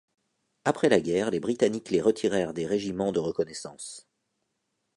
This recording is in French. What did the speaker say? Après la guerre, les Britanniques les retirèrent des régiments de reconnaissances.